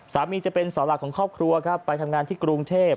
จะเป็นเสาหลักของครอบครัวครับไปทำงานที่กรุงเทพ